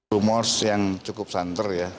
rumors yang cukup santer ya